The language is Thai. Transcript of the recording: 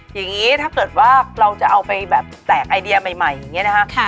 อย่างนี้ถ้าเกิดว่าเราจะเอาไปแบบแจกไอเดียใหม่อย่างนี้นะคะ